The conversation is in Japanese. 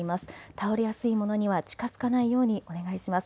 倒れやすいものには近づかないようにお願いします。